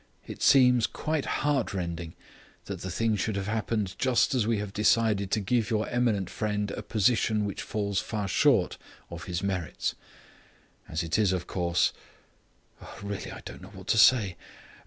It seems quite heart rending that the thing should have happened just as we have decided to give your eminent friend a position which falls far short of his merits. As it is, of course really, I don't know what to say.